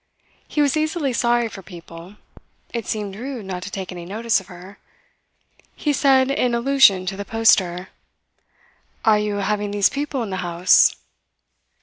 He was easily sorry for people. It seemed rude not to take any notice of her. He said, in allusion to the poster: "Are you having these people in the house?"